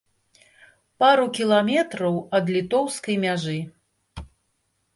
Пару кіламетраў ад літоўскай мяжы.